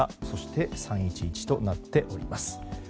そして３・１１となっております。